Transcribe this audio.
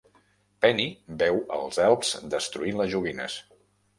Penny veu els elfs destruint les joguines.